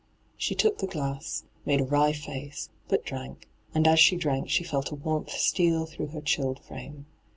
She took the glass, made a wry faee, but drank, and as she drank she felt a warmth steal through her chilled frame.